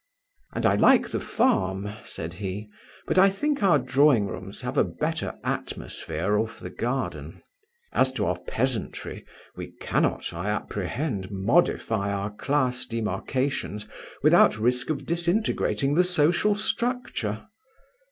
"And I like the farm," said he. "But I think our drawing rooms have a better atmosphere off the garden. As to our peasantry, we cannot, I apprehend, modify our class demarcations without risk of disintegrating the social structure."